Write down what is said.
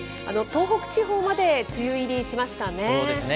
東北地方まで梅雨入りしましたね。